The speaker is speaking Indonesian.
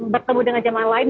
bertemu dengan jamaah lain